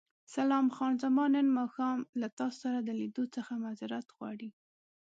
سلام، خان زمان نن ماښام له تاسو سره د لیدو څخه معذورت غواړي.